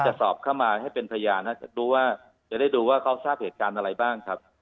สอบเข้ามาให้เป็นพยานรู้ว่าจะได้ดูว่าเขาทราบเหตุการณ์อะไรบ้างครับ